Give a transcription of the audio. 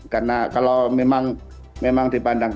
karena kalau memang dipandang